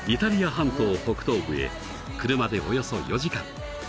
半島北東部へ車でおよそ４時間